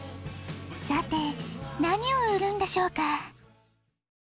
さて何を売るんでしょうか？